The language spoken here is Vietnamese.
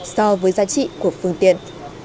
so với giá trị của phương tiện